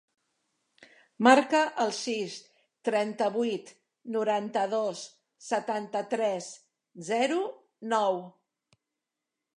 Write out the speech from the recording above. Marca el sis, trenta-vuit, noranta-dos, setanta-tres, zero, nou.